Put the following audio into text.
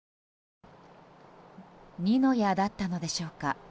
二の矢だったのでしょうか。